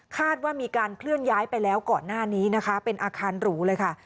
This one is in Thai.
คาดว่ามีการเคลื่อนย้ายไปแล้วก่อนหน้านี้นะคะเป็นอาคารหรูเลยค่ะ